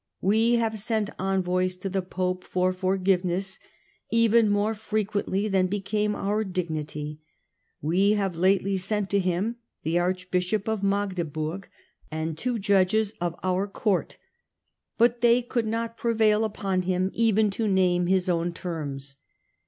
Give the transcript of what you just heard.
" We have sent envoys to the Pope for for giveness even more frequently than became our dignity ; we have lately sent to him the Archbishop of Magdeburg and two Judges of our Court, but they could not prevail THE FIRST EXCOMMUNICATION 87 upon him even to name his own terms.